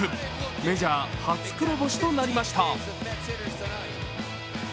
メジャー初黒星となりました。